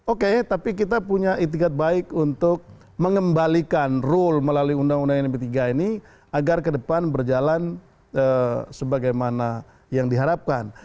oke tapi kita punya itikat baik untuk mengembalikan rule melalui undang undang md tiga ini agar ke depan berjalan sebagaimana yang diharapkan